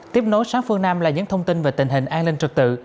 tiếp nối sáng phương nam là những thông tin về tình hình an ninh trật tự